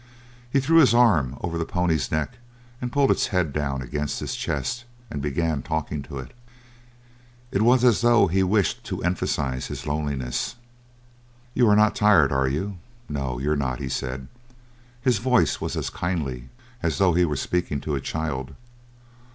He threw his arm over the pony's neck and pulled its head down against his chest and began talking to it. It was as though he wished to emphasize his loneliness. "You are not tired, are you? No, you're not," he said. His voice was as kindly as though he were speaking to a child.